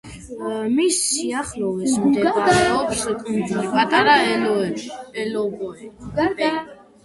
მის სიახლოვეს მდებარეობს კუნძული პატარა ელობეი.